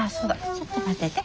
ちょっと待ってて。